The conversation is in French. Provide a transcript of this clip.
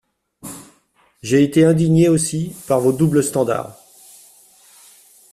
J’ai été indigné aussi par vos doubles standards.